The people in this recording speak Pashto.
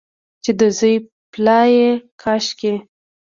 چې د زوی پلا یې کاشکي،